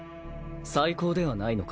再興ではないのか？